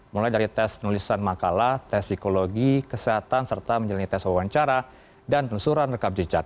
mulai dari tes penulisan makalah tes psikologi kesehatan serta menjalani tes wawancara dan penelusuran rekam jejak